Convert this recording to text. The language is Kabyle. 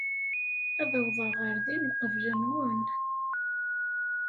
Ad awḍeɣ ɣer din uqbel-nwen.